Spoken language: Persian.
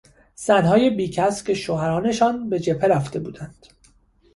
زنهای بیکس که شوهرانشان به جهبه رفته بودند